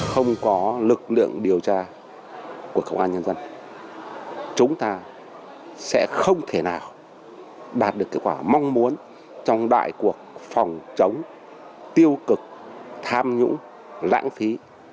không có lực lượng điều tra của công an nhân dân chúng ta sẽ không thể nào đạt được kết quả mong muốn trong đại cuộc phòng chống tiêu cực tham nhũng lãng phí